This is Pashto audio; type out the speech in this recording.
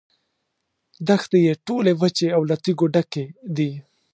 دښتې یې ټولې وچې او له تیږو ډکې دي.